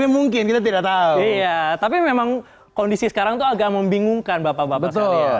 mungkin kita tidak tahu iya tapi memang kondisi sekarang agak membingungkan bapak bapak betul